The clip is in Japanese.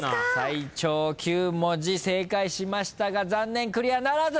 最長９文字正解しましたが残念クリアならず！